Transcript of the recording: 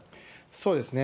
そうですね。